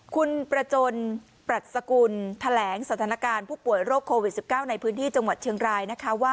คุณประจนปรัชกุลแถลงสถานการณ์ผู้ป่วยโรคโควิด๑๙ในพื้นที่จังหวัดเชียงรายนะคะว่า